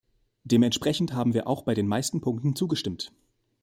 Dementsprechend haben wir auch bei den meisten Punkten zugestimmt.